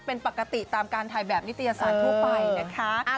เป็นปกติตามการถ่ายแบบนิตยสารทั่วไปนะคะ